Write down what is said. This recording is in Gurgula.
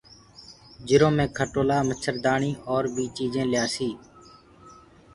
جِرو مي کٽولآ مڇردآڻيٚ اور بيٚ چيٚجينٚ ليآسيٚ